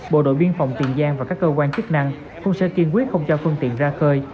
bộ đội biên phòng tiền giang và các cơ quan chức năng cũng sẽ kiên quyết không cho phương tiện ra khơi